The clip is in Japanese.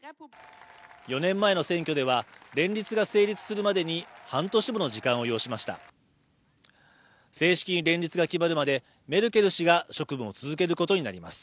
４年前の選挙では連立が成立するまでに半年もの時間を要しました正式に連立が決まるまでメルケル氏が職務を続けることになります